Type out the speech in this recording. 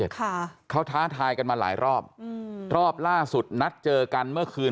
ค่ะเขาท้าทายกันมาหลายรอบอืมรอบล่าสุดนัดเจอกันเมื่อคืน